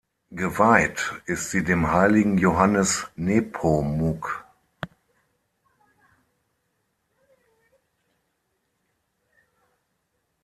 Geweiht ist sie dem Heiligen Johannes Nepomuk.